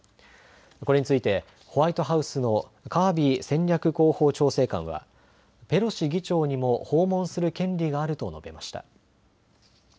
これについてホワイトハウスのカービー戦略広報調整官はペロシ議長にも訪問する権利があると述べました。